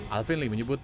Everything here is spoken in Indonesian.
alvin lee menyebut